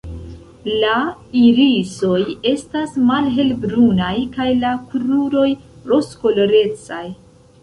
La irisoj estas malhelbrunaj kaj la kruroj rozkolorecaj.